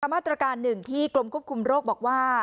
มาตรการหนึ่งที่กรมควบคุมโรคบอกว่า